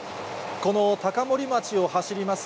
この高森町を走ります